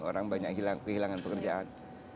orang banyak kehilangan pekerjaan